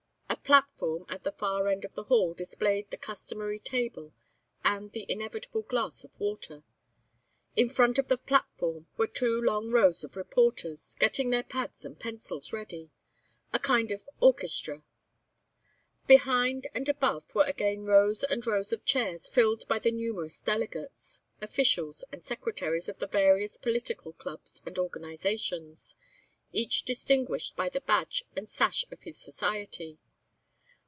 A platform at the far end of the hall displayed the customary table and the inevitable glass of water. In front of the platform were two long rows of reporters, getting their pads and pencils ready, a kind of orchestra. Behind and above were again rows and rows of chairs filled by the numerous delegates, officials, and secretaries of the various political clubs and organisations, each distinguished by the badge and sash of his society.